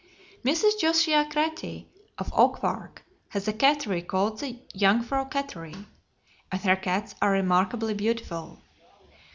Mrs. Josiah Cratty, of Oak Park, has a cattery called the "Jungfrau Katterie," and her cats are remarkably beautiful.